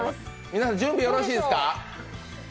皆さん準備よろしいですか？